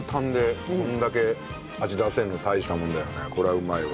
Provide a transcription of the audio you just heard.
これはうまいわ。